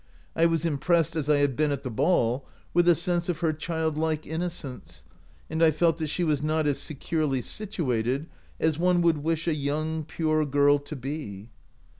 I was impressed, as I had been at the ball, with a sense of her childlike innocence, and I felt that she was not as securely situated as one would wish a young, pure girl to be.